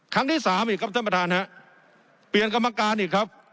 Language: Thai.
ครั้งที่สามอีกครับท่านประธานฮะเปลี่ยนกรรมการอีกครับ